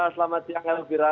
selamat siang elvira